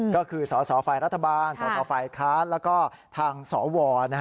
ก็คือสฝรัฐบาลสฝคลาสแล้วก็ทางสว